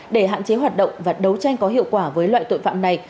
để hạn chế hoạt động và đấu tranh có hiệu quả với loại tội phạm này